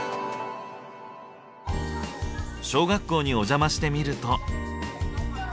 小学校にお邪魔してみると。